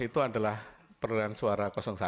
itu adalah peradaan suara